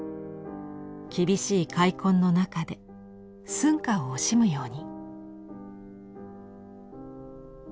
厳しい開墾の中で寸暇を惜しむように。